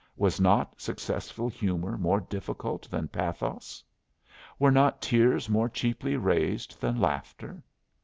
Was not successful humor more difficult than pathos? Were not tears more cheaply raised than laughter?